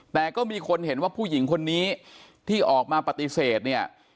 แต่ก็มีคนเห็นว่าผู้หญิงคนนี้ที่ออกมาปฏิเสธเนี่ย